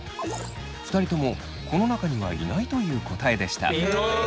２人ともこの中にはいないという答えでした。